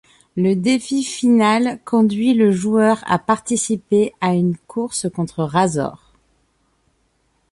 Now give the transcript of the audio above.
Le défi final conduit le joueur à participer à une course contre Razor.